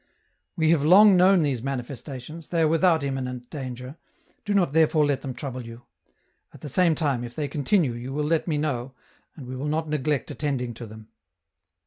" We have long known these manifestations, they are without imminent danger ; do not therefore let them trouble you. At the same time, if they continue you will let me know, and we will not neglect attending to them."